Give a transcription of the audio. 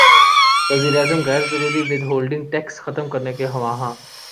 وزیراعظم غیر ضروری ود ہولڈنگ ٹیکس ختم کرنے کے خواہاں